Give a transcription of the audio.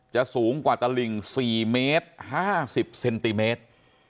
สูงกว่าตลิ่ง๔เมตร๕๐เซนติเมตร